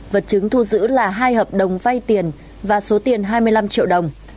vật chứng thu giữ là hai hợp đồng vay tiền và số tiền hai mươi năm triệu đồng